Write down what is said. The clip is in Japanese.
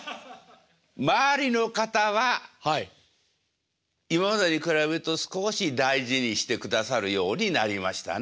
周りの方は今までに比べると少し大事にしてくださるようになりましたね。